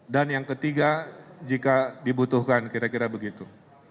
dan yang ketiga jika dibutuhkan kira kira begitu